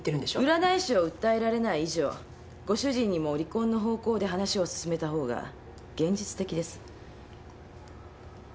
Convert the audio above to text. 占い師を訴えられない以上ご主人にも離婚の方向で話を進めたほうが現実的です。